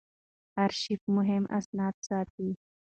آرشیف مهم اسناد ساتي.